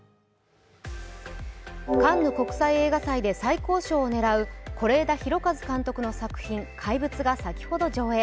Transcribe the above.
カンヌ国際映画祭で最高賞を狙う是枝裕和監督の作品「怪物」が先ほど上演。